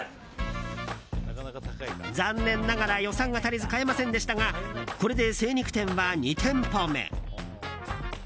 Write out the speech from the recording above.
残念ながら予算が足りず買えませんでしたがこれで精肉店は２店舗目。